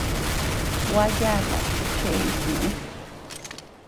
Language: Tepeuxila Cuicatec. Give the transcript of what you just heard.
Gua yata chi chee itñeʼë.